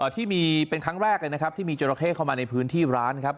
ที่เป็นครั้งแรกเลยนะครับที่มีจราเข้เข้ามาในพื้นที่ร้านครับ